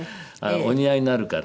お似合いになるから。